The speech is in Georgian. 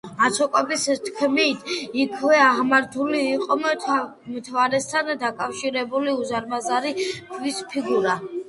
აცტეკების თქმით, იქვე აღმართული იყო მთვარესთან დაკავშირებული უზარმაზარი ქვის ფიგურა.